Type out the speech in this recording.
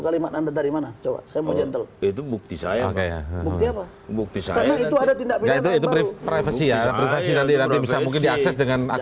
kalimat anda dari mana coba itu bukti saya bukti saya itu privasi privasi mungkin diakses dengan